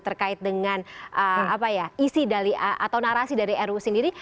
terkait dengan isi atau narasi dari ru sendiri